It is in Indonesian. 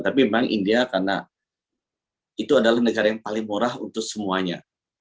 tapi memang india karena itu adalah negara yang paling murah untuk semuanya